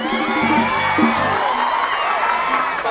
ครับมีแฟนเขาเรียกร้อง